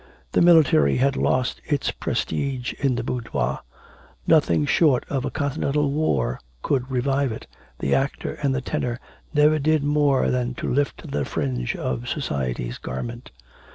The military had lost its prestige in the boudoir, Nothing short of a continental war could revive it, the actor and the tenor never did more than to lift the fringe of society's garment.